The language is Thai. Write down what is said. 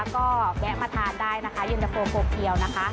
ก็แวะมาทานได้นะคะเย็นตะโฟเพียวนะคะ